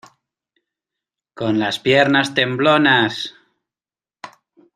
con las piernas temblonas.